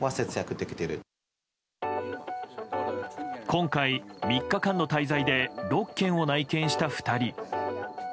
今回３日間の滞在で６軒を内見した２人。